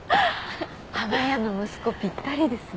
花屋の息子ぴったりですね。